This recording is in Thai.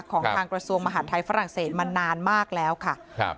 ของทางกระทรวงมหาดไทยฝรั่งเศสมานานมากแล้วค่ะครับ